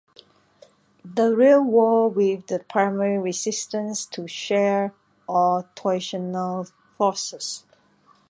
The rear wall with the primary resistance to shear or torsional forces.